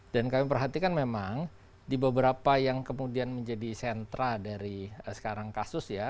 dan kami perhatikan memang di beberapa yang kemudian menjadi sentra dari sekarang kasus ya